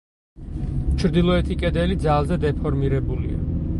ჩრდილოეთი კედელი ძალზე დეფორმირებულია.